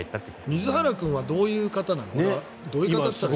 水原君はどういう方なんですか？